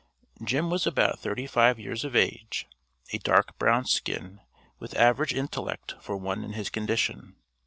Jim was about thirty five years of age, a dark brown skin with average intellect for one in his condition.